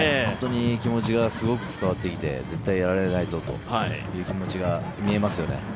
本当に気持ちがすごく伝わってきて、絶対やられないぞという気持ちが見えますよね。